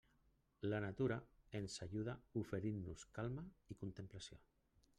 La natura ens ajuda oferint-nos calma i contemplació.